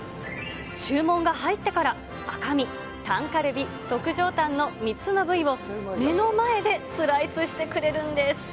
注文が入ってから赤身、タンカルビ、特上タンの３つの部位を目の前でスライスしてくれるんです。